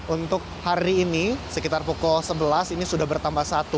untuk hari ini sekitar pukul sebelas ini sudah bertambah satu